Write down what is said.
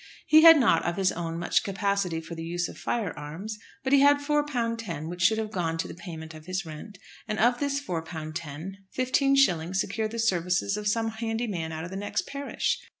He had not, of his own, much capacity for the use of firearms; but he had four pound ten, which should have gone to the payment of his rent, and of this four pound ten, fifteen shillings secured the services of some handy man out of the next parish.